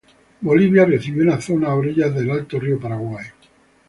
Bolivia recibió una zona a orillas del alto río Paraguay.